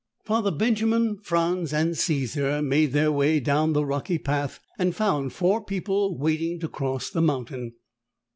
Father Benjamin, Franz and Caesar made their way down the rocky path and found four people waiting to cross the mountain.